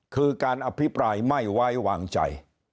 คือการอภิปรายไม่ไว้วางใจ